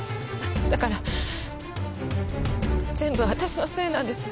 だから全部私のせいなんです。